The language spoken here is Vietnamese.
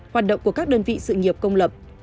hoạt động của các đơn vị sự nghiệp công lập